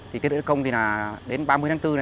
thì triển khai đi công đến ba mươi tháng bốn